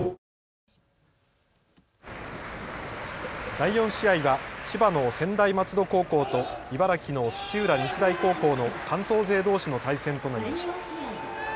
第４試合は千葉の専大松戸高校と茨城の土浦日大高校の関東勢どうしの対戦となりました。